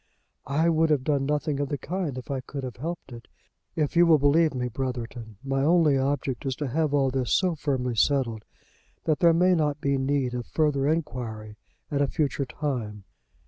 "I would have done nothing of the kind if I could have helped it. If you will believe me, Brotherton, my only object is to have all this so firmly settled that there may not be need of further enquiry at a future time."